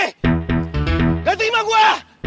b gak terima gua